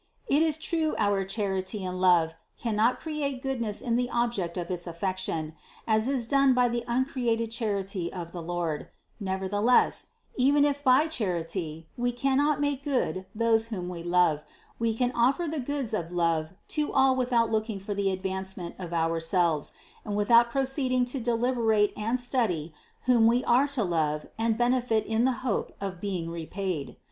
It is true our charity and love cannot create goodness in the object of its affection, as is done by the uncreated Charity of the Lord; nevertheless, even if by charity we cannot make good those whom we love, we can offer the goods of love to all without looking for the advancement of ourselves and without proceeding to de liberate and study whom we are to love and benefit in the hope of being repaid.